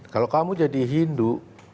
kalau kamu jadi hindu